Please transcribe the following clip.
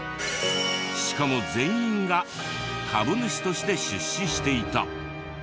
しかも全員が株主として出資していた。